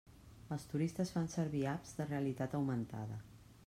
Els turistes fan servir apps de realitat augmentada.